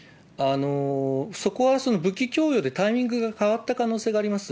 そこは武器供与でタイミングが変わった可能性があります。